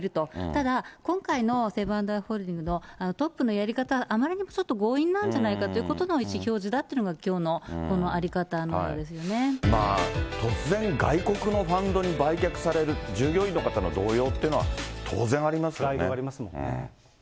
ただ、今回のセブン＆アイ・ホールディングスのトップのやり方はあまりにもちょっと強引なんじゃないかということの意思表示というのが突然、外国のファンドに売却される従業員の方の動揺っていうのは当然ありますよね。